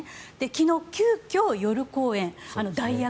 昨日、急きょ夜公演、代役。